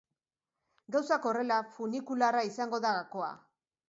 Gauzak horrela, funikularra izango da gakoa.